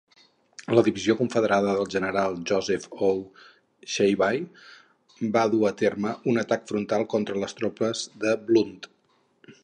La divisió confederada del general Joseph O. Shelby va dur a terme un atac frontal contra les tropes de Blunt.